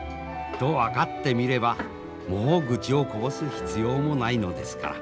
と分かってみればもう愚痴をこぼす必要もないのですから。